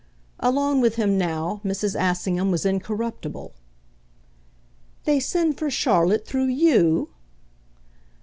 Alone with him now Mrs. Assingham was incorruptible. "They send for Charlotte through YOU?"